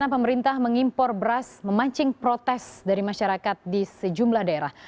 pemerintah mengimpor beras memancing protes dari masyarakat di sejumlah daerah